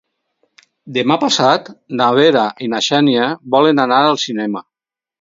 Demà passat na Vera i na Xènia volen anar al cinema.